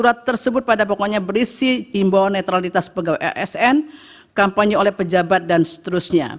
surat tersebut pada pokoknya berisi imbauan netralitas pegawai asn kampanye oleh pejabat dan seterusnya